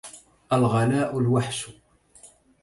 الغلاء الوحش